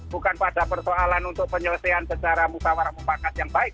bukan pada persoalan untuk penyelesaian secara mukawarah mumpakat yang baik